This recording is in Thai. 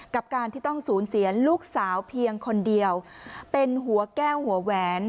กับการที่ต้องสูญเสียลูกสาวเพียงคนเดียวเป็นหัวแก้วหัวแหวน